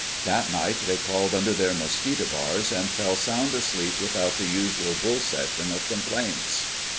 That night they crawled under their mosquito bars and fell sound asleep without the usual "bull session" of complaints.